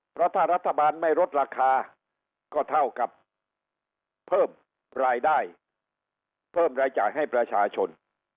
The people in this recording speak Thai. เพราะถ้ารัฐบาลไม่ลดราคาก็เท่ากับเพิ่มรายได้เพิ่มรายจ่ายให้ประชาชน